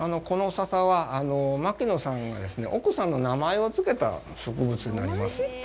この笹は、牧野さんが奥さんの名前をつけた植物になります。